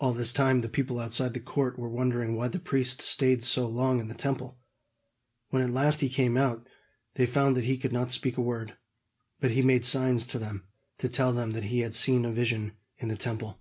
All this time the people outside in the court were wondering why the priest stayed so long in the Temple. When at last he came out, they found that he could not speak a word; but he made signs to them, to tell them that he had seen a vision in the Temple.